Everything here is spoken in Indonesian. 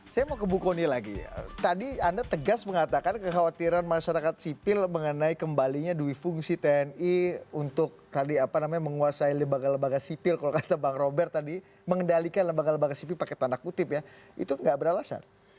saya mau ke buku ini lagi tadi anda tegas mengatakan kekhawatiran masyarakat sipil mengenai kembalinya duifungsi tni untuk menguasai lembaga lembaga sipil kalau kata bang robert tadi mengendalikan lembaga lembaga sipil pakai tanda kutip ya itu nggak beralasan